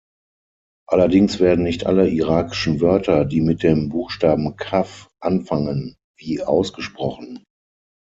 Allerdings werden nicht alle irakischen Wörter, die mit dem Buchstaben Kaf anfangen, wie ausgesprochen.